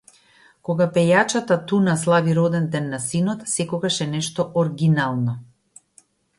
Кога пејачата Туна слави роденден на синот, секогаш е нешто оргинално